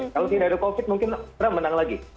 kalau tidak ada covid mungkin trump menang lagi